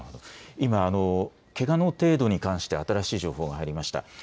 今けがの程度に関して新しい情報が入りました。